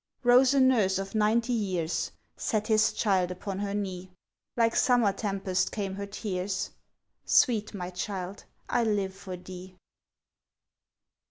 Rose a nurse of ninety years, Set his child upon her knee, Like summer tempest came her tears, "Sweet my child, I live for thee."